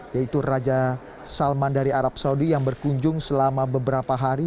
yaitu raja salman dari arab saudi yang berkunjung selama beberapa hari